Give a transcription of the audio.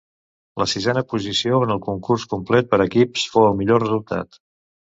La sisena posició en el concurs complet per equips fou el millor resultat.